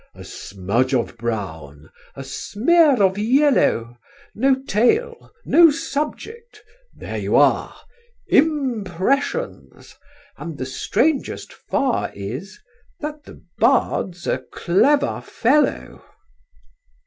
"A smudge of brown, a smear of yellow, No tale, no subject, there you are! Impressions! and the strangest far Is that the bard's a clever fellow."